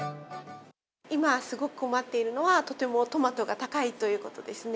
今、すごく困っているのは、とてもトマトが高いということですね。